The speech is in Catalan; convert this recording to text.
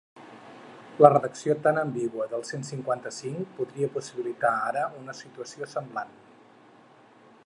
La redacció tan ambigua del cent cinquanta-cinc podria possibilitar ara una situació semblant.